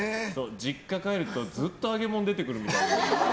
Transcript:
実家帰るとずっと揚げ物出てくるんだよみたいな。